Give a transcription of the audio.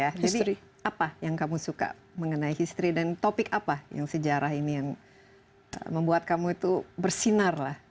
jadi apa yang kamu suka mengenai history dan topik apa yang sejarah ini yang membuat kamu itu bersinar